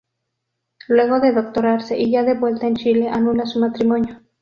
Luego de doctorarse y ya de vuelta en Chile, anula su matrimonio.